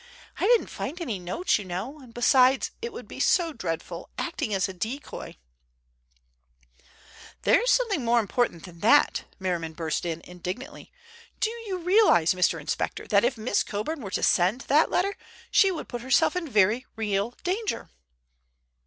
I didn't find any notes, you know, and besides—it would be so dreadful—acting as a decoy—" "There's something more important than that," Merriman burst in indignantly. "Do you realize, Mr. Inspector, that if Miss Coburn were to send that letter she would put herself in very real danger?"